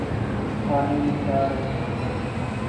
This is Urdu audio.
کھانے میں کیا ہے۔